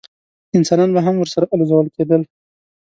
انسانان به هم ورسره الوزول کېدل.